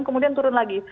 kemudian turun lagi